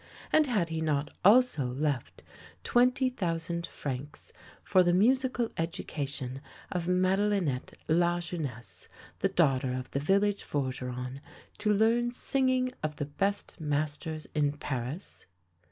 and had he not also left twenty thousand francs for the musical education of Madelinette Lajeunesse, the daughter of the village forgeron, to learn singing of the best masters in Paris?